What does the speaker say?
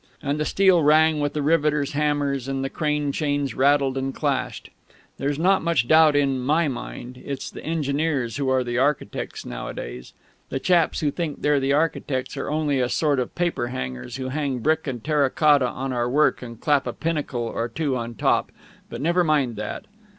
And the steel rang with the riveters' hammers, and the crane chains rattled and clashed.... There's not much doubt in my mind, it's the engineers who are the architects nowadays. The chaps who think they're the architects are only a sort of paperhangers, who hang brick and terra cotta on our work and clap a pinnacle or two on top but never mind that.